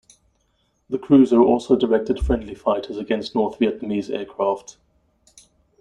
The cruiser also directed friendly fighters against North Vietnamese aircraft.